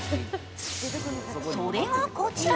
それがこちら。